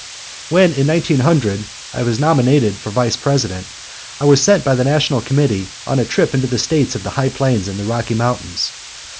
When, in 1900, I was nominated for Vice President, I was sent by the National Committee on a trip into the States of the high plains and the Rocky Mountains.